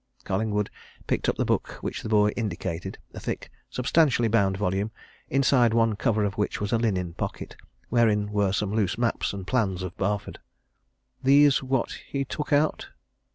'" Collingwood picked up the book which the boy indicated a thick, substantially bound volume, inside one cover of which was a linen pocket, wherein were some loose maps and plans of Barford. "These what he took out?"